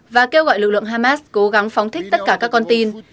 và kêu gọi lực lượng hamas cố gắng phóng thích tất cả các con tin